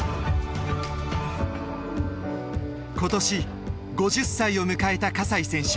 今年５０歳を迎えた西選手。